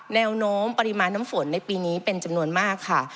แนวโน้มปริมาณน้ำฝนในปีนี้เป็นจำนวนมากค่ะ